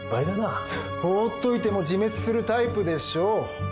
放っといても自滅するタイプでしょう。